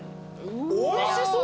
おいしそう！